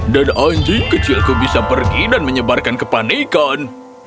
anjing kecilku bisa pergi dan menyebarkan kepanikan